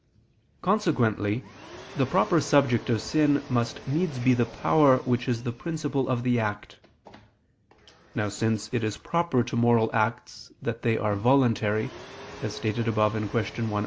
Consequently the proper subject of sin must needs be the power which is the principle of the act. Now since it is proper to moral acts that they are voluntary, as stated above (Q. 1, A.